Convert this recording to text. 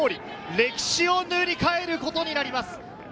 歴史を塗り替えることになります。